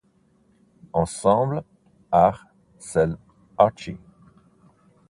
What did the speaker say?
Ensemble: Ar, Cel, Archi.